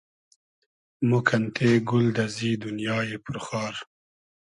مۉ کئنتې گول دئزی دونیایی پور خار